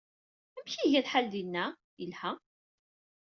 Amek ay iga lḥal dinna? Yelha.